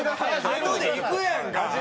あとでいくやんか！